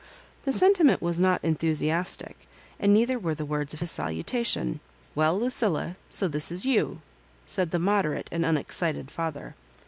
The sentiment was not enthusiastic, and neither were the words of his salutation —'* Well, Lucilla ; so this is you V* said the moderate and unexcited father.